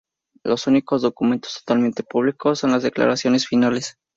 Los únicos documentos totalmente públicos son las declaraciones finales.